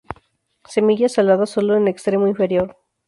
Semillas aladas sólo en extremo inferior.